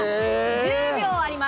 １０秒あります。